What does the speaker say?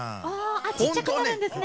あちっちゃくなるんですね。